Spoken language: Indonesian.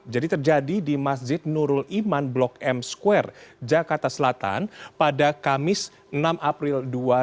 jadi terjadi di masjid nurul iman blok m square jakarta selatan pada kamis enam april dua ribu dua puluh tiga